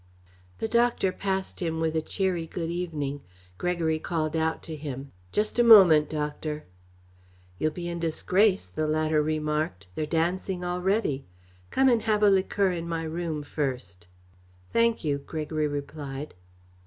The doctor passed him with a cheery good evening. Gregory called out to him. "Just a moment, Doctor." "You'll be in disgrace," the latter remarked. "They're dancing already. Come and have a liqueur in my room first." "Thank you," Gregory replied.